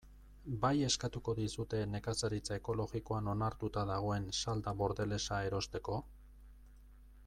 Bai eskatuko dizute nekazaritza ekologikoan onartuta dagoen salda bordelesa erosteko?